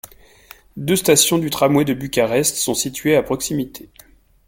Deux station du Tramway de Bucarest sont situées à proximité.